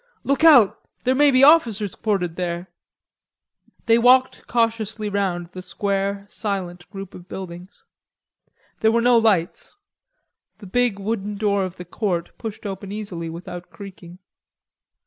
"Look out, there may be officers quartered there." They walked cautiously round the square, silent group of buildings. There were no lights. The big wooden door of the court pushed open easily, without creaking.